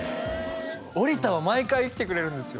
そう折田は毎回来てくれるんですよ